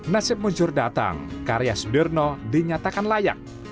nasib muncur datang karya sudirno dinyatakan layak